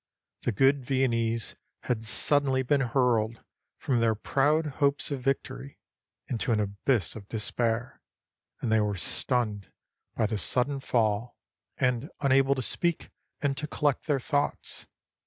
The good Viennese had suddenly been hurled from their proud hopes of vic tory into an abyss of despair, and they were stunned by the sudden fall, and unable to speak and to collect their thoughts.